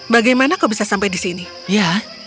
bagaimana kau bisa sampai ke kota yang menuju ke kota yang lain